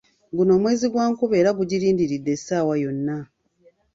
Guno mwezi gwa nkuba era mugirindirire essaawa yonna.